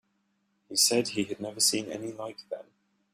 He said he had never seen any like them.